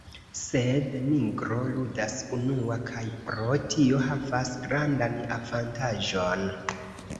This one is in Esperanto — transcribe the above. Sed Nigro ludas unua kaj pro tio havas grandan avantaĝon.